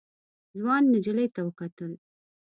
ځوان نجلۍ ته وکتل.